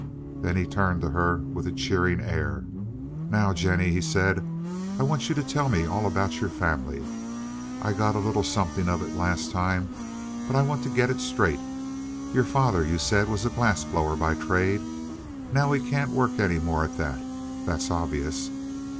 Then he turned to her with a cheering air. "Now, Jennie," he said, "I want you to tell me all about your family. I got a little something of it last time, but I want to get it straight. Your father, you said, was a glass blower by trade. Now he can't work any more at that, that's obvious."